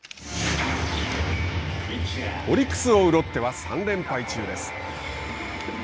オリックスを追うロッテは３連敗中です。